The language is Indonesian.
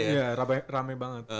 iya rame banget